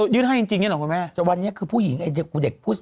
ยืนให้จริงนี้หรอครูแม่